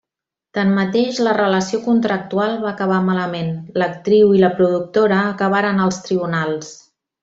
Tanmateix, la relació contractual va acabar malament, l'actriu i la productora acabaren als tribunals.